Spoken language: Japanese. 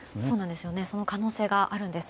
その可能性があるんです。